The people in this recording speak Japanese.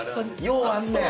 ようあんねん。